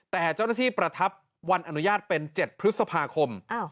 แต่เจ้าหน้าที่ประทับวันอนุญาตเป็น๗พฤษภาคม